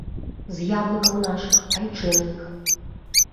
З яблыкаў нашых айчынных.